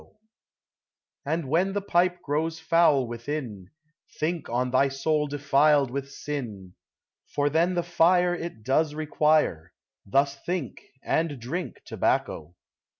250 POEMS OF SENTIMENT And when the pipe grows foul within, Think on thy soul defiled with sin ; For then the fire It does require : Thus think, and drink tobacco.